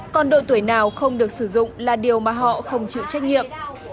còn độ tuổi nào không được sử dụng là điều mà họ không chịu trách nhiệm